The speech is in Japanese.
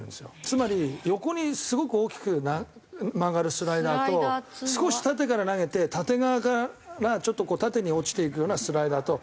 つまり横にすごく大きく曲がるスライダーと少し縦から投げて縦側からちょっとこう縦に落ちていくようなスライダーと。